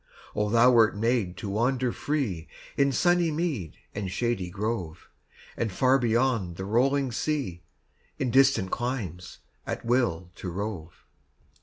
Oh, thou wert made to wander free In sunny mead and shady grove, And far beyond the rolling sea, In distant climes, at will to rove!